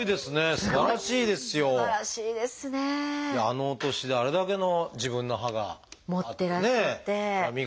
あのお年であれだけの自分の歯があってね。